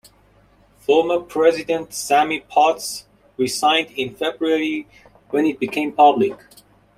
Former President Sammie Potts resigned in February when it became public.